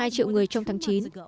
hai triệu người trong tháng chín